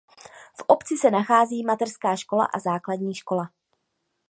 V obci se nachází mateřská škola a základní škola.